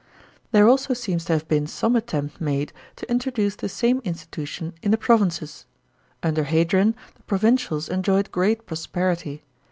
There also seems to have been some attempt made to introduce the same institution in the provinces. Under Hadrian the pro vincials enjoyed great prosperity.